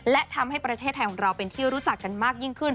และทำให้ประเทศไทยของเราเป็นที่รู้จักกันมากยิ่งขึ้น